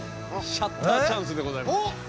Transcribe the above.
シャッターチャンスでございます。